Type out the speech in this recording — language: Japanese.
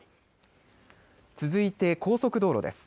続いて高速道路です。